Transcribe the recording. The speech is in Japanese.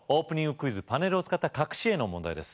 クイズパネルを使った隠し絵の問題です